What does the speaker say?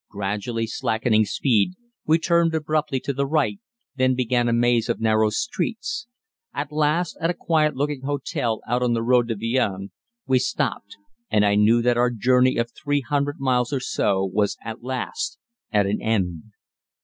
Gradually slackening speed, we turned abruptly to the right, then began a maze of narrow streets. At last, at a quiet looking hotel out on the road to Vienne, we stopped, and I knew that our journey of three hundred miles or so was at last at an end.